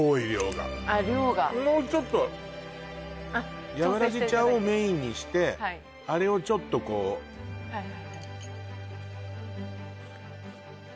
ああ量がもうちょっとやわらぎちゃんをメインにしてあれをちょっとこうはいはい